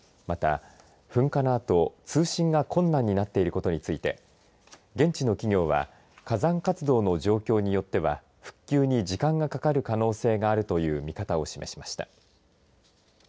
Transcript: また、噴火のあと通信が困難になっていることについて現地の企業は火山活動の状況によっては復旧に時間がかかる可能性があるという見方を示しました。